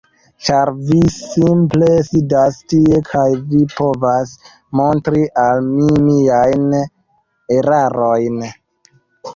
Ĉar vi simple sidas tie, kaj vi povas montri al mi miajn erarojn.